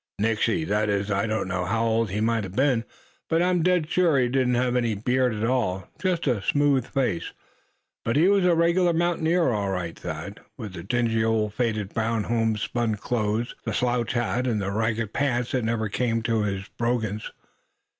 "Nixey; that is I don't know how old he might a been; but I'm dead sure he didn't have any beard at all, just a smooth face. But he was a regular mountaineer, all right, Thad, with the dingy old faded brown homespun clothes, the slouch hat, and the ragged pants that never came near his brogans.